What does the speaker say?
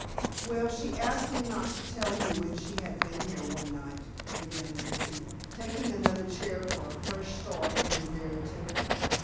"Well, she asked me not to tell you when she had been here one night," began Nancy, taking another chair for a fresh start in the narrative.